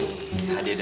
mau mencelakakan sita